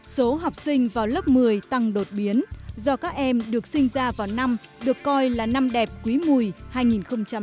số học sinh vào lớp một mươi tăng đột biến do các em được sinh ra vào năm được coi là năm đẹp quý mùi hai nghìn ba